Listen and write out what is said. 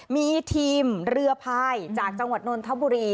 มีทีมเรือพายจากจังหวัดนนทบุรี